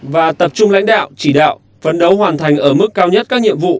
và tập trung lãnh đạo chỉ đạo phấn đấu hoàn thành ở mức cao nhất các nhiệm vụ